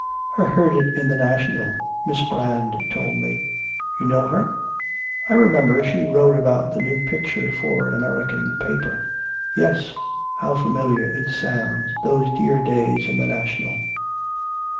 'I heard it in the National. Miss Brand told me.' 'You know her?' 'I remember, she wrote about the new pictures for an American paper.' 'Yes. How familiar it sounds, those dear days in the National.'